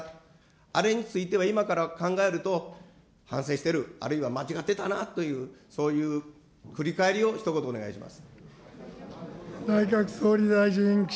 あれについては今から考えると、反省してる、あるいは間違ってたなという、そういう振り返りをひと言お願いします。